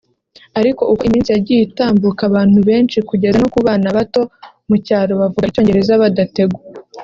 Ariko uko iminsi yagiye itambuka abantu benshi kugeza no ku bana bato mu cyaro bavuga Icyongereza badategwa